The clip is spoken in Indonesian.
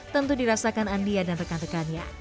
tentu dirasakan andia dan rekan rekannya